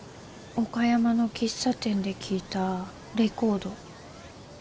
岡山の喫茶店で聴いたレコード。